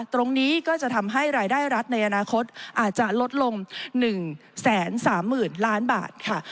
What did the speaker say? ตรงนี้ก็จะทำให้รายได้รัฐในอนาคตอาจจะลดลง๑๓๐๐๐ล้านบาทค่ะ